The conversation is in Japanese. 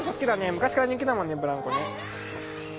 昔から人気だもんねブランコね。